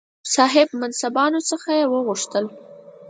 صاحب منصبانو څخه یې وغوښتل.